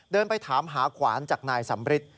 เดินไปถามหาขวานจากนายสำริท